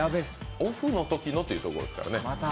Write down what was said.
オフのときのってところですからね。